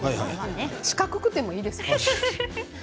四角くても、いいですよ。